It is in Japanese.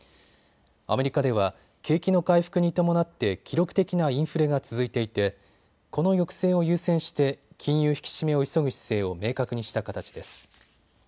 アメリカでは景気の回復に伴って記録的なインフレが続いていてこの抑制を優先して金融引き締めを急ぐ姿勢を明確にした形です。